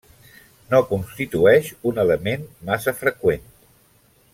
No constitueix un element massa freqüent.